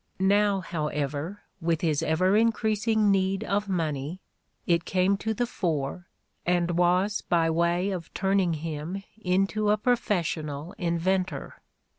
Now, however, with his ever increasing need of money, it came to the fore and was by way of turn ing him into a professional inventor.